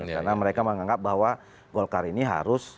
karena mereka menganggap bahwa golkar ini harus